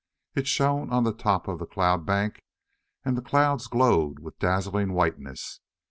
It shone on the top of the cloud bank, and the clouds glowed with dazzling whiteness.